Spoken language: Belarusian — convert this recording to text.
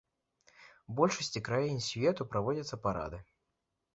У большасці краін свету праводзяцца парады.